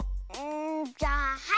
じゃあはい！